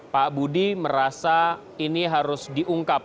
pak budi merasa ini harus diungkap